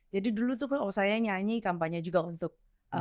jadi dulu tuh kalau saya nyanyi kampanye juga untuk